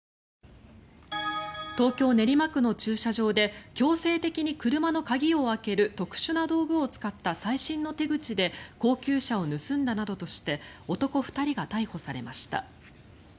東京・練馬区の駐車場で強制的に車の鍵を開ける特殊な道具を使った最新の手口で高級車を盗んだなどとして男２人が逮捕されました。